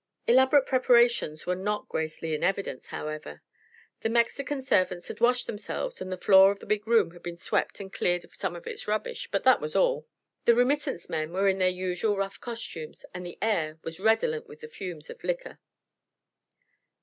Elaborate preparations were not greatly in evidence, however. The Mexican servants had washed themselves and the floor of the big room had been swept and cleared of some of its rubbish; but that was all. The remittance men were in their usual rough costumes and the air was redolent with the fumes of liquor.